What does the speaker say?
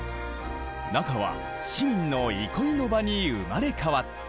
中は市民の憩いの場に生まれ変わった。